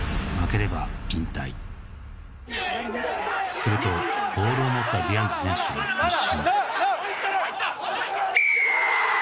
するとボールを持ったディアンズ選手が突進・入った！